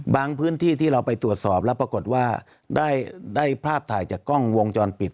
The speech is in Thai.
พื้นที่ที่เราไปตรวจสอบแล้วปรากฏว่าได้ภาพถ่ายจากกล้องวงจรปิด